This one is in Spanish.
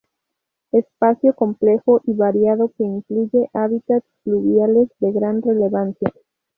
Espacio complejo y variado que incluye hábitats fluviales de gran relevancia.